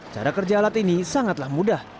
cara kerja alat ini sangatlah mudah